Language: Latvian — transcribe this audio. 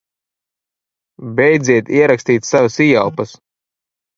Beidziet ierakst?t savas ieelpas!